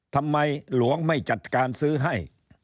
ทำไมหลวงไม่จัดการซื้อให้